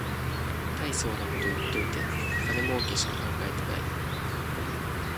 たいそうなこと言っといて金もうけしか考えてない